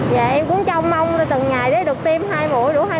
dạ em cũng chào mong là từng ngày để được tiêm hai mũi